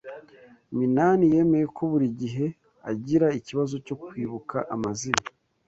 Minani yemeye ko buri gihe agira ikibazo cyo kwibuka amazina.